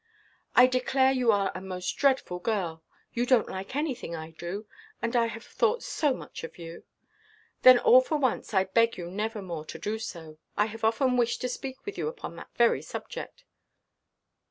"I declare you are a most dreadful girl. You donʼt like anything I do. And I have thought so much of you." "Then, once for all, I beg you never more to do so. I have often wished to speak with you upon that very subject."